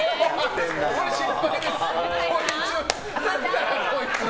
これは失敗です。